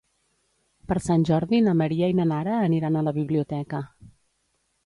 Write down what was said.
Per Sant Jordi na Maria i na Nara aniran a la biblioteca.